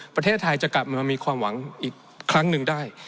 ประเทศไทยจะกลับมามีความหวังอีกครั้งหนึ่งได้